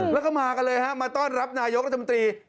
แล้วก็มากันเลยฮะมาต้อนรับนายกรัฐมนตรี